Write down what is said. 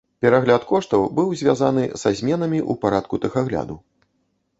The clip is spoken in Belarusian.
Перагляд коштаў быў звязаны са зменамі ў парадку тэхагляду.